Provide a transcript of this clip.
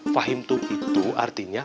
fahim tung itu artinya